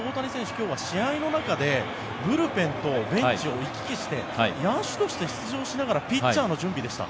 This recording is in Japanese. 今日は試合の中でブルペンとベンチを行き来して野手として出場しながらピッチャーの準備でした。